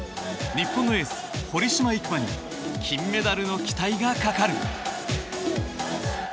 日本のエース、堀島行真に金メダルの期待がかかる。